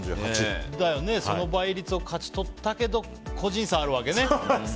その倍率を勝ち取ったけど個人差あるわけね。